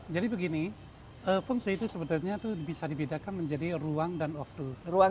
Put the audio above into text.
jadi begini feng shui itu sebenarnya bisa dibedakan menjadi ruang dan waktu